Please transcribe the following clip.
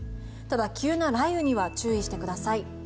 ただ、急な雷雨には注意してください。